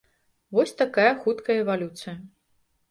Вось такая хуткая эвалюцыя.